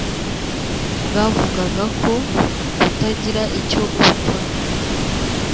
Bwavugaga ko kutagira icyo bukora